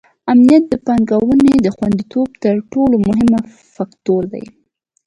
امنیت د پانګونې د خونديتوب تر ټولو مهم فکتور دی.